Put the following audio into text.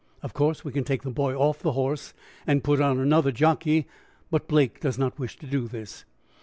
Of course, we can take the boy off the horse and put on another jockey, but Blake does not wish to do this.